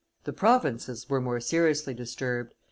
The provinces were more seriously disturbed.